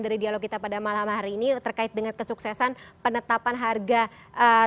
dari dialog kita pada malam hari ini terkait dengan kesuksesan penetapan harga tiket